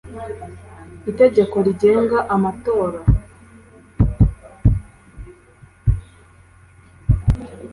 itegeko rigenga amatora